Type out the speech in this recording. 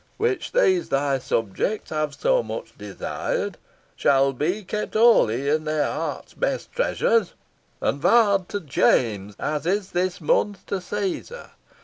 Which these thy subjects have so much desired Shall be kept holy in their heart's best treasure, And vow'd to JAMES as is this month to Cæsar.